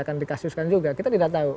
akan dikasuskan juga kita tidak tahu